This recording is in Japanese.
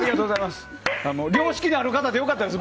良識のある方で良かったです